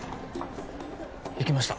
行きました。